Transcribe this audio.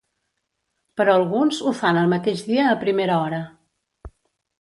Però alguns ho fan el mateix dia a primera hora.